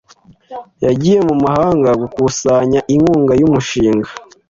Yagiye mu mahanga gukusanya inkunga y'umushinga.